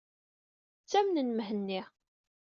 Ttamnen Mhenni.